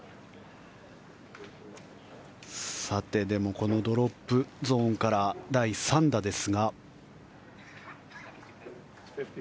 でもこのドロップゾーンから第３打ですが。